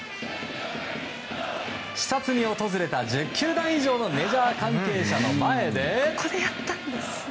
視察に訪れた１０球団以上のメジャー関係者の前で。